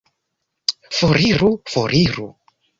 Foriru! Foriru!